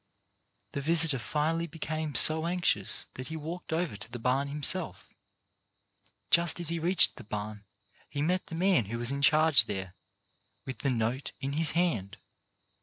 The visitor finally became so anxious that he walked over to the barn himself. Just as he reached the barn he met INDIVIDUAL RESPONSIBILITY 207 the man who was in charge there, with the note in his hand.